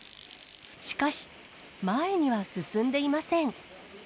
しかし、前には進んでいません。